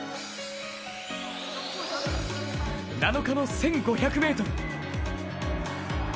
７日の１５００ｍ。